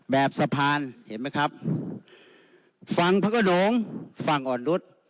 แบบสะพานเห็นไหมครับฝั่งพระขนงฝั่งอ่อนนุษย์